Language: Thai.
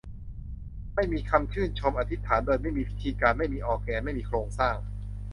ไม่มีคำชื่นชม อธิษฐานโดยไม่มีพิธีการ ไม่มีออร์แกน ไม่มีโครงสร้าง